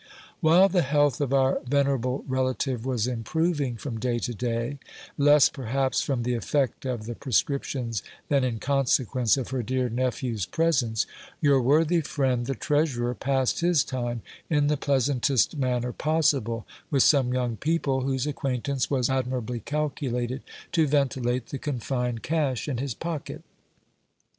While the health of our venerable relative was improving from day to day, less, perhaps, from the effect of the prescriptions than in consequence of her dear nephew's presence, your worthy friend the treasurer passed his time in the pleasantest manner possible, with some young people whose acquaintance was admirably calculated to ventilate the confined cash in his pocket.